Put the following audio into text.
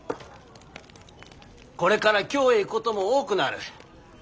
これから京へ行くことも多くなる。